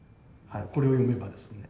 これを読めばですね。